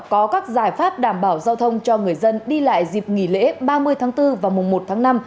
có các giải pháp đảm bảo giao thông cho người dân đi lại dịp nghỉ lễ ba mươi tháng bốn và mùa một tháng năm